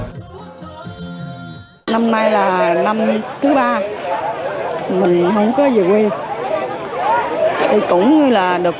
thì năm nay để mình cũng tham gia hai năm